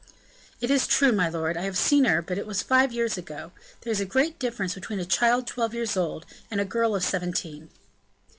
"It is true, my lord, I have seen her but it was five years ago; there is a great difference between a child twelve years old, and a girl of seventeen."